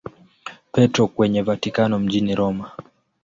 Petro kwenye Vatikano mjini Roma.